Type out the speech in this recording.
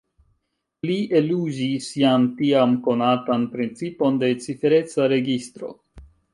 Li eluzis jam tiam konatan principon de cifereca registro.